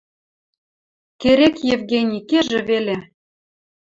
Керек Евгений кежӹ веле...